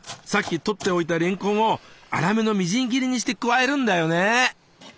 さっき取っておいたれんこんを粗めのみじん切りにして加えるんだよね。